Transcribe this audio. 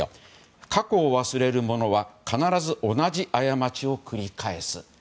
過去を忘れる者は必ず同じ過ちを繰り返す。